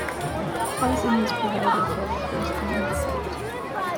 Housing was provided for workers on site.